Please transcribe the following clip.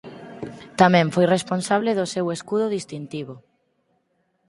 Tamén foi responsable do seu escudo distintivo.